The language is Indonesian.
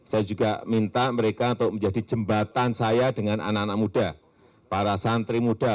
saya juga minta mereka untuk menjadi jembatan saya dengan anak anak muda para santri muda